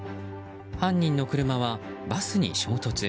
犯人の車はバスに衝突。